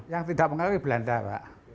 yang tidak mengaruhi belanda pak